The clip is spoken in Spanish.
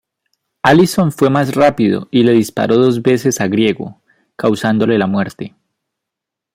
Allison fue más rápido y le disparó dos veces a Griego, causándole la muerte.